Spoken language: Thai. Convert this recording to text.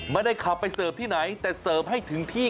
ไม่ได้ขับไปเสิร์ฟที่ไหนแต่เสิร์ฟให้ถึงที่